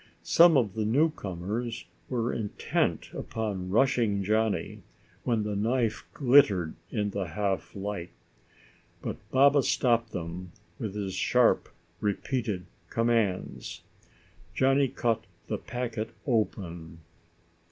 Some of the new comers were intent upon rushing Johnny when the knife glittered in the half light. But Baba stopped them with his sharp, repeated commands. Johnny cut the packet open.